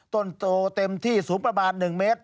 โตเต็มที่สูงประมาณ๑เมตร